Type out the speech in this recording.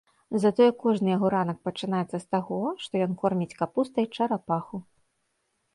Затое кожны яго ранак пачынаецца з таго, што ён корміць капустай чарапаху.